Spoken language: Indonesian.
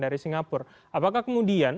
dari singapura apakah kemudian